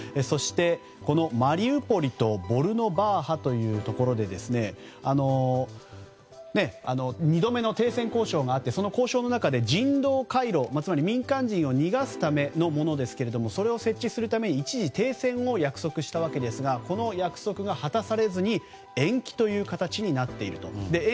そしてマリウポリとボルノバーハというところで２度目の停戦交渉があってその交渉の中で人道回廊、つまり民間人を逃がすためのものですがそれを設置するために一時停戦を約束したわけですがこの約束が果たされずに延期という形になっていると。